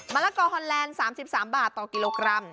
ละกอฮอนแลนด์๓๓บาทต่อกิโลกรัม